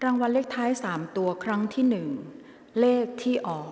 รางวัลเลขท้าย๓ตัวครั้งที่๑เลขที่ออก